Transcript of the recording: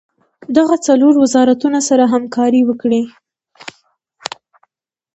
دغه څلور وزارتونه سره همکاري وکړي.